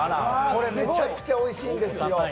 めちゃくちゃおいしいんです。